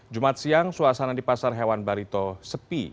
jumat siang suasana di pasar hewan barito sepi